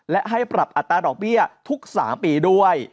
และให้ปรับอัตราดอกเบี้ยทุก๓ปีด้วย